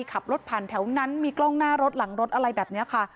ขับรถผ่านแถวนั้นมีกล้องหน้ารถหลังรถอะไรแบบนี้ค่ะ